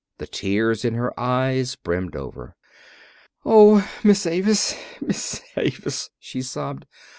The tears in her eyes brimmed over. "Oh, Miss Avis! Miss Avis!" she sobbed.